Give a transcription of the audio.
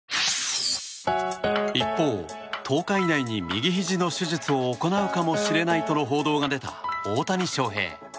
一方、１０日以内に右ひじの手術を行うかもしれないとの報道が出た大谷翔平。